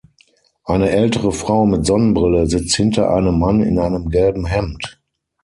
Eine ältere Frau mit Sonnenbrille sitzt hinter einem Mann in einem gelben Hemd.